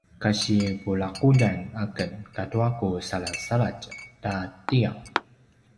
kasi pulaquljan aken katua ku salasaladj ta tiyav